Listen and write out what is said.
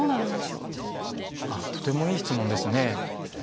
ああとてもいい質問ですね。